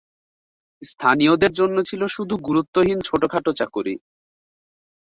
স্থানীয়দের জন্য ছিল শুধু গুরুত্বহীন ছোটখাট চাকুরি।